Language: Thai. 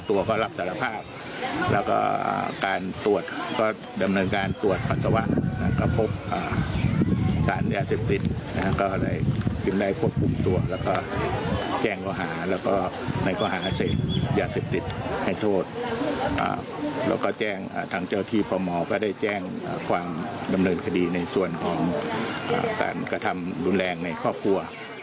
แต่กระทำรุนแรงในครอบครัว